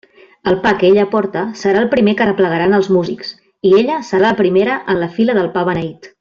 El pa que ella porta serà el primer que arreplegaran els músics, i ella serà la primera en la fila del pa beneit.